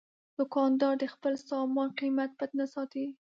دوکاندار د خپل سامان قیمت پټ نه ساتي.